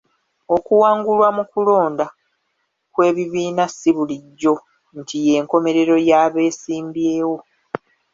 Okuwangulwa mu kulonda kw'ebibiina si bulijjo nti y'enkomerero y'abesimbyewo.